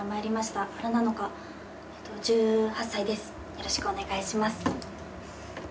よろしくお願いします。